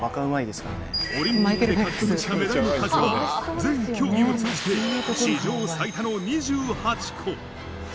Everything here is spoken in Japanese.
オリンピックを含むメダルの数は全競技を通じて、史上最多の２８個。